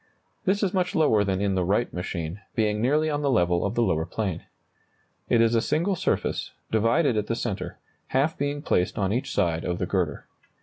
This is much lower than in the Wright machine, being nearly on the level of the lower plane. It is a single surface, divided at the centre, half being placed on each side of the girder.